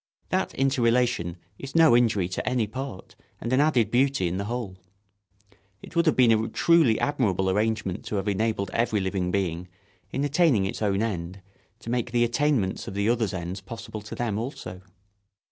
That interrelation is no injury to any part and an added beauty in the whole. It would have been a truly admirable arrangement to have enabled every living being, in attaining its own end, to make the attainments of the others' ends possible to them also.